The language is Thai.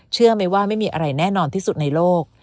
เชื่อไหมว่าไม่มีอะไรแน่นอนที่สุดในโลก